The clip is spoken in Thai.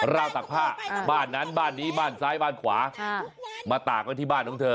ราวตักผ้าบ้านนั้นบ้านนี้บ้านซ้ายบ้านขวามาตากไว้ที่บ้านของเธอ